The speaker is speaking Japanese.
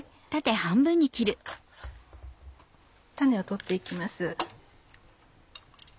種を取って行きます。